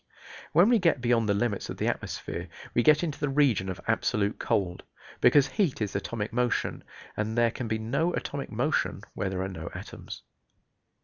When we get beyond the limits of the atmosphere we get into the region of absolute cold, because heat is atomic motion, and there can be no atomic motion where there are no atoms.